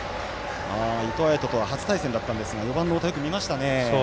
伊藤彩斗とは初対戦だったんですが４番の太田、よく見ましたね。